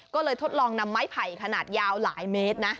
ก็เลยทดลองนำไม้ไผ่ขนาดยาวหลายเมตรนะ